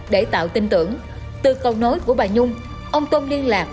để tạo tin tưởng từ câu nói của bà nhung ông tôn liên lạc